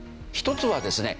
１つはですね